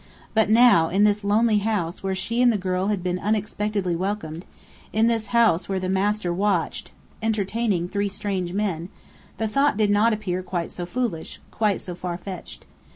But now, in this lonely house where she and the girl had been unexpectedly welcomed, in this house where the master watched, entertaining three strange men, the thought did not appear quite so foolish, quite so far fetched.